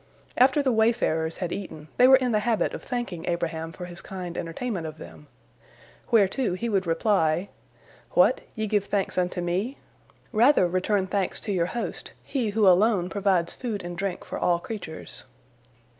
After the wayfarers had eaten, they were in the habit of thanking Abraham for his kind entertainment of them, whereto he would reply: "What, ye give thanks unto me! Rather return thanks to your host, He who alone provides food and drink for all creatures."